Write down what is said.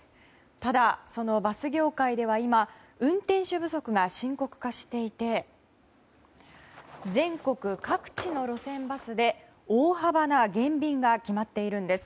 ただ、そのバス業界では今、運転手不足が深刻化していて全国各地の路線バスで大幅な減便が決まっているんです。